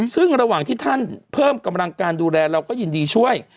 ซึ่งระหว่างที่ท่านเพิ่มกำลังการดูแลเราก็ยินดีช่วย